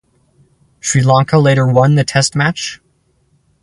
Sri Lanka later won the Test match.